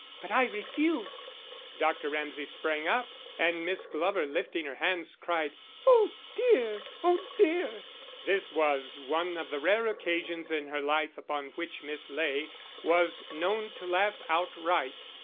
"But I refused!" Dr. Ramsay sprang up, and Miss Glover, lifting her hands, cried: "Oh, dear! Oh, dear!" This was one of the rare occasions in her life upon which Miss Ley was known to laugh outright.